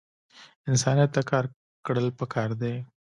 انسانیت ته کار کړل پکار دے